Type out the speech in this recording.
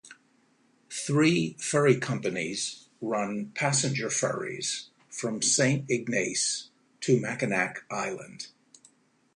Three ferry companies run passenger ferries from Saint Ignace to Mackinac Island.